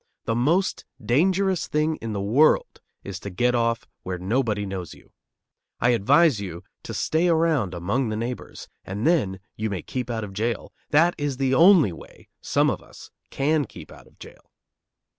The most dangerous thing in the world is to get off where nobody knows you. I advise you to stay around among the neighbors, and then you may keep out of jail. That is the only way some of us can keep out of jail.